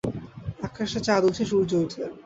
আকশে চাঁদ উঠে, সূর্য ওঠে।